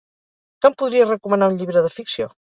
Que em podries recomanar un llibre de ficció?